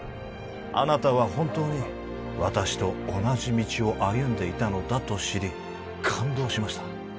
あなたは本当に私と同じ道を歩んでいたのだと知り感動しました